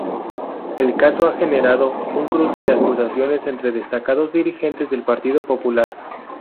El caso ha generado un cruce de acusaciones entre destacados dirigentes del Partido Popular.